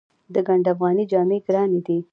د ګنډ افغاني جامې ګرانې دي؟